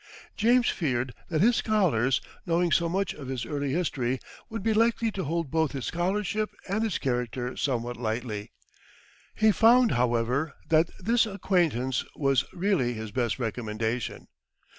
James feared that his scholars, knowing so much of his early history, would be likely to hold both his scholarship and his character somewhat lightly. He found, however, that this acquaintance was really his best recommendation.